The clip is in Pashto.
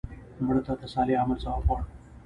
مړه ته د صالح عمل ثواب غواړو